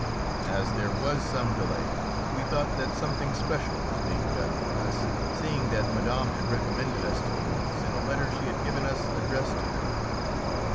As there was some delay, we thought that something special was being done for us, seeing that Madame had recommended us to the monks in a letter she had given us addressed to them.